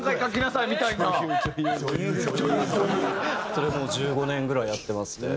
それもう１５年ぐらいやってまして。